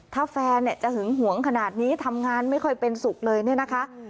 ธาพแฟนเนี้ยจะเหงื่อห่วงขนาดนี้ทำงานไม่ค่อยเป็นศุกร์เลยเนี้ยนะคะ